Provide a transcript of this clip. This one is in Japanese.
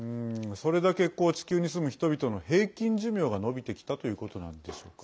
それだけ地球に住む人々の平均寿命が延びてきたということなんでしょうか？